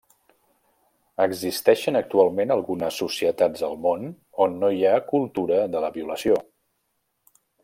Existeixen actualment algunes societats al món on no hi ha cultura de la violació.